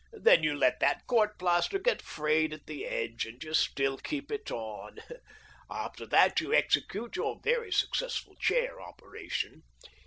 Then you let that court plaster get frayed at the edge, and you still keep it on. After that you execute your very successful chair operation.